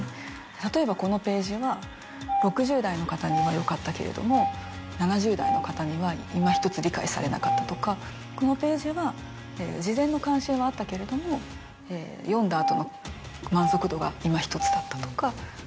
例えばこのページは６０代の方にはよかったけれども７０代の方にはいまひとつ理解されなかったとかこのページは事前の関心はあったけれども読んだ後の満足度がいまひとつだったとか。